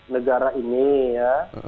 negara ini ya